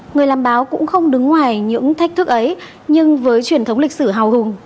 người làm báo cũng không đứng ngoài những thách thức ấy nhưng với truyền thống lịch sử hào hùng